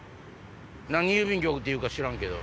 何郵便局っていうか知らんけど。